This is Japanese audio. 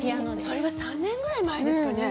それが３年くらい前ですかね。